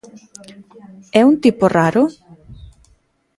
É un tipo raro?